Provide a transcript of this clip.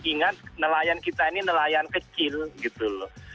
ingat nelayan kita ini nelayan kecil gitu loh